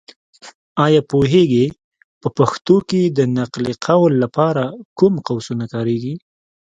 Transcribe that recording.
ایا پوهېږې؟ په پښتو کې د نقل قول لپاره کوم قوسونه کارېږي.